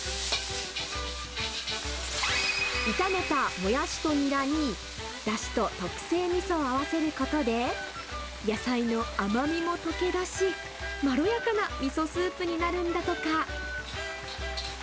炒めたモヤシとニラに、だしと特製みそを合わせることで、野菜の甘みも溶け出し、まろやかなみそスープになるんだとか。